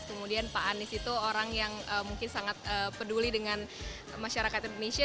kemudian pak anies itu orang yang mungkin sangat peduli dengan masyarakat indonesia